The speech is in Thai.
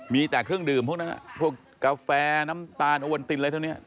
มีแต่เครื่องดื่มพวกนั้นพวกกาแฟน้ำตาลอวนตินอะไรพวกนี้